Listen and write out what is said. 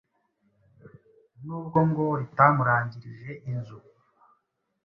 nubwo ngo ritamurangirije inzu